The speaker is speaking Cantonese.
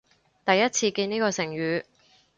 第一次見呢個成語